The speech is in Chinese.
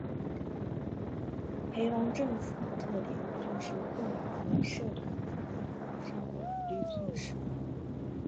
裴隆政府的特点就是混合了社团主义和社会福利措施。